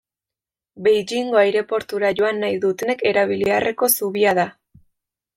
Beijingo aireportura joan nahi dutenek erabili beharreko zubia da.